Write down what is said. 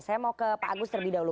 saya mau ke pak agus terlebih dahulu